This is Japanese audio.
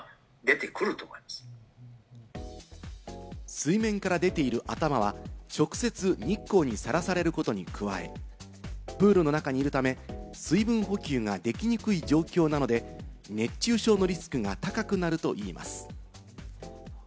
水面から出ている頭は直接日光にさらされることに加え、プールの中にいるため、水分補給ができにくい状況なので、熱中症のリスクが高くなるといいます。